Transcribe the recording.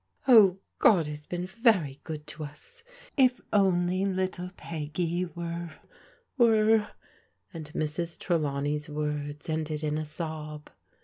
" Oh, God has been very good to us ! If only little Pqjgy were — ^were ^ and Mrs. Trelawncy's words ended in a sob.